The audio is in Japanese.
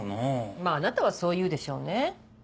まぁあなたはそう言うでしょうね。